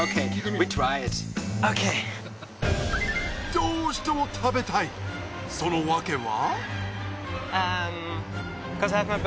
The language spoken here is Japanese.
どうしても食べたいその訳は？